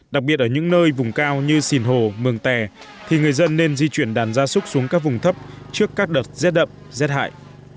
đặc biệt ở những nơi vùng cao như sìn hồ mường tè thì người dân nên di chuyển đàn gia súc xuống các vùng thấp trước các đợt rét đậm rét hại